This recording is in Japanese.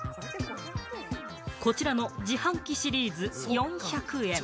こちらの自販機シリーズ、４００円。